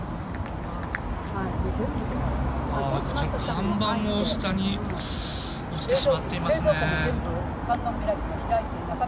看板も下に落ちてしまっていますね。